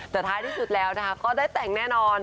แต่ท้ายที่สุดแล้วนะคะก็ได้แต่งแน่นอน